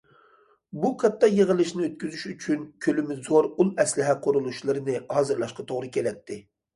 بۇ كاتتا يىغىلىشنى ئۆتكۈزۈش ئۈچۈن كۆلىمى زور ئۇل ئەسلىھە قۇرۇلۇشلىرىنى ھازىرلاشقا توغرا كېلەتتى.